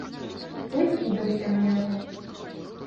Той кідаўся на яго.